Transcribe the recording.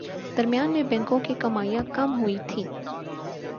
درمیان میں بینکوں کی کمائیاں کم ہوئیں تھیں